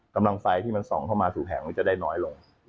กำลังไฟที่มันส่องเข้ามาสู่แผงมันจะได้น้อยลง